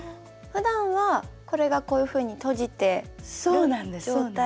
ふだんはこれがこういうふうに閉じてる状態。